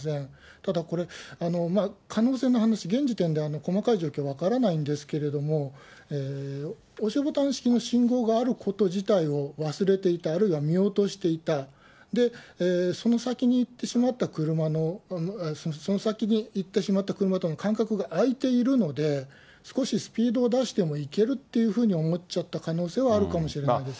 ただこれ、可能性の話、現時点で細かい状況分からないんですけれども、押しボタン式の信号があること自体を忘れていた、あるいは見落としていた、で、その先に行ってしまった車の、その先に行ってしまった車との間隔が空いているので、少しスピードを出してもいけるっていうふうに思っちゃった可能性はあるかもしれないです。